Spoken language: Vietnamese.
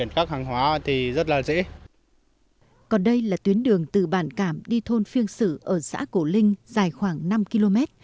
còn đây là tuyến đường từ bản cảm đi thôn phiêng sử ở xã cổ linh dài khoảng năm km